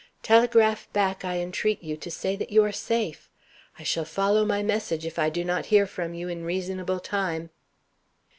Telegraph back, I entreat you, to say that you are safe. I shall follow my message if I do not hear from you in reasonable time."